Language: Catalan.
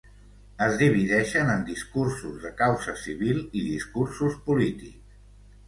Es divideixen en discursos de causa civil i discursos polítics.